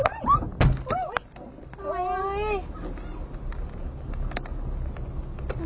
ทำไม